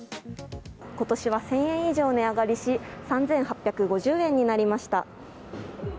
今年は１０００円以上値上がりし、３８５０円になりました。